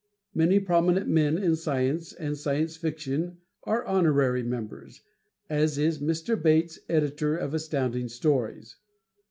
Many prominent men in science and Science Fiction are honorary members, as is Mr. Bates, Editor of Astounding Stories.